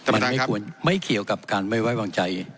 มันไม่ควรไม่เกี่ยวกับการไม่ไว้วางใจ